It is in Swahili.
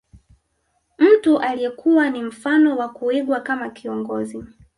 Mtu aliyekuwa ni mfano wa kuigwa kama kiongozi